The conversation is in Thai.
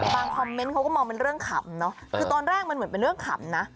คอมเมนต์เขาก็มองเป็นเรื่องขำเนอะคือตอนแรกมันเหมือนเป็นเรื่องขำนะ